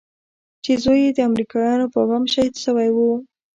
چې زوى يې د امريکايانو په بم شهيد سوى و.